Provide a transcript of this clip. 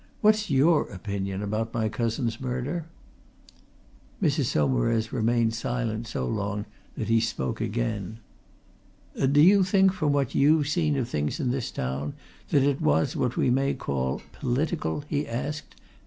"What's your opinion about my cousin's murder?" Mrs. Saumarez remained silent so long that he spoke again. "Do you think, from what you've seen of things in this town, that it was what we may call political?" he asked.